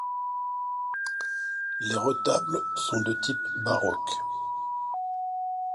Les retables sont de type baroques.